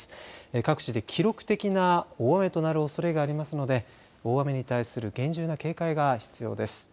各地で記録的な大雨となるおそれがありますので大雨に対する厳重な警戒が必要です。